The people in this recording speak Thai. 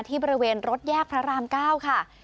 ที่บริเวณรถแยกพระราม๙ค่ะ